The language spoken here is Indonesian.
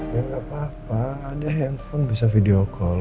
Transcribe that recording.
ya nggak apa apa ada handphone bisa video call